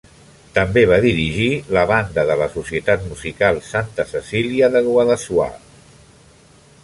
També va dirigir la banda de la Societat Musical Santa Cecília de Guadassuar.